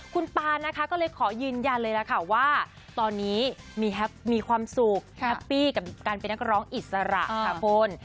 คุณปานก็เลยขอยืนยันเลยว่าตอนนี้มีความสุขกับการเป็นนักร้องอิสระค่ะคุณ